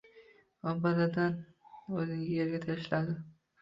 U birdan o’zini yerga tashladi…